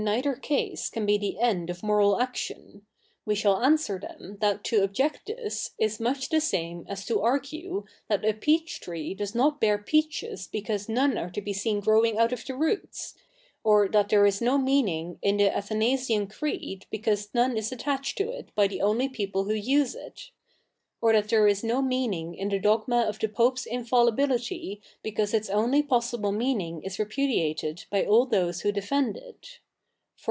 ieither case can be the end of moral action, we shall answer them that to object this, is much the sa?ne as to argue that a peach tree does not bear peaches because none are to be see?i grotving out of the roots ; or that there is no mea7ii?ig in the Atha?iasian Creed because no?ie is attached to it by the only people who use it\ or that there is no meaning in the dogfna of the Pope's infallibility because its only possible ?neani?ig is repudiated by all those who defend it. For